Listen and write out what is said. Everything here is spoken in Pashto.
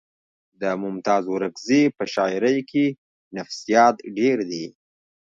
د ممتاز اورکزي په شاعرۍ کې نفسیات ډېر دي